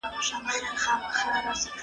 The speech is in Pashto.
هغه څوک چي ليکلي پاڼي ترتيبوي منظم وي!؟